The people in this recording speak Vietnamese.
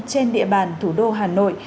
trên địa bàn thủ đô hà nội